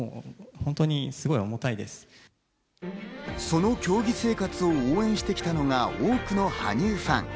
その競技生活を応援してきたのが多くの羽生ファン。